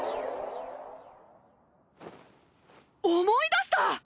思い出した！